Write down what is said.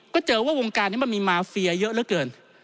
ก็เจอว่าวงการนี้มันมีมาเฟียเยอะเหลือเกิน